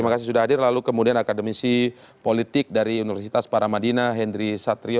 terima kasih sudah hadir lalu kemudian akademisi politik dari universitas paramadina hendry satrio